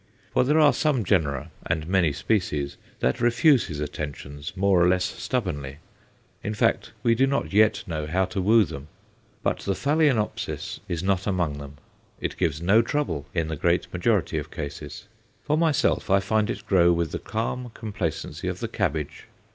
For there are some genera and many species that refuse his attentions more or less stubbornly in fact, we do not yet know how to woo them. But the Phaloenopsis is not among them. It gives no trouble in the great majority of cases. For myself, I find it grow with the calm complacency of the cabbage.